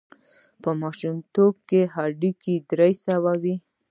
په ماشومتوب هډوکي درې سوه وي.